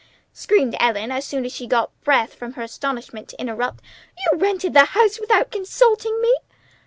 screamed Ellen as soon as she got breath from her astonishment to interrupt. "You've rented the house without consulting me?